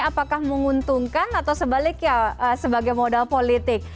apakah menguntungkan atau sebaliknya sebagai modal politik